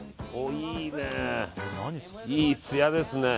いいつやですね。